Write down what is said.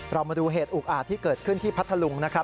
มาดูเหตุอุกอาจที่เกิดขึ้นที่พัทธลุงนะครับ